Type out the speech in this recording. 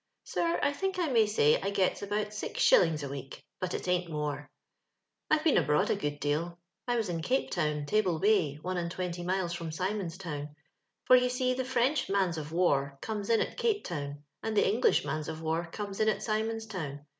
Sir, I think I may say I gets about six shillings a week, but it ain't more. '* I've been abroad a good deal. I was in Cape Town, Table Bay, one and twenty miles fix)m Simons' Town— for you see the French mans of war come's in at Cape Town, and tho English mans of war comes in at Simons' ToYTSi.